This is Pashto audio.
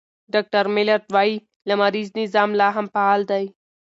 ډاکټر میلرډ وايي، لمریز نظام لا هم فعال دی.